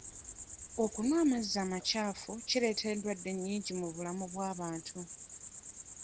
Okunywa amazzi amakyafu kireeta endwadde nnyingi mu bulamu bw'abantu.